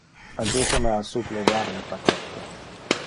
Adjuta me a sublevar le pacchetto.